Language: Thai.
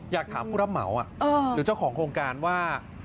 อยากถามผู้รับเหมาหรือเจ้าของโครงการว่า